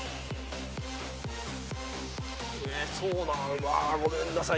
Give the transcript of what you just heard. うわごめんなさい。